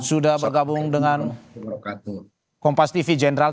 sudah bergabung dengan kompas tv jenderal